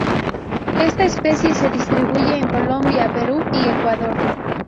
Esta especie se distribuye en Colombia, Perú y Ecuador.